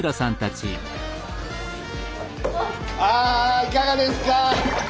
あいかがですか？